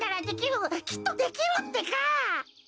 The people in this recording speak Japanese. きっとできるってか！